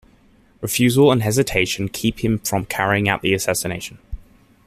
Refusal and hesitation keep him from carrying out the assassination.